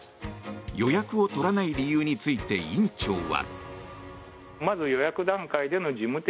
予約を取らない理由について院長は。